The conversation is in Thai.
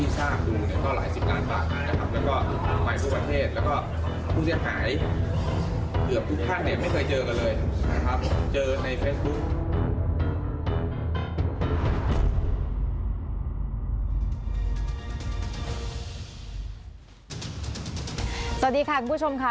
สวัสดีค่ะคุณผู้ชมค่ะ